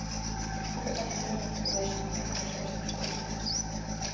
— Кокытат пеле, — кугешненрак вашештыш Костя.